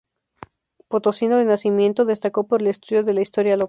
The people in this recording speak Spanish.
Potosino de nacimiento, destacó por el estudio de la historia local.